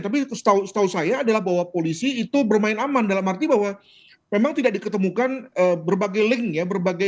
tapi setahu saya adalah bahwa polisi itu bermain aman dalam arti bahwa memang tidak diketemukan berbagai link ya